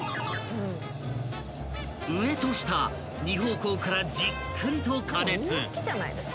［上と下２方向からじっくりと加熱］